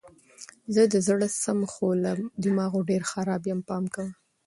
زه د زړه سم خو له دماغو ډېر خراب یم پام کوه!